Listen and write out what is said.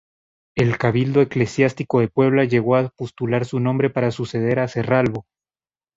El cabildo eclesiástico de Puebla llegó a postular su nombre para suceder a Cerralbo.